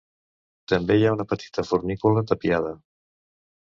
També hi ha una petita fornícula tapiada.